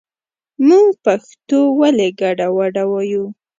مونږ پښتو ولې ګډه وډه وايو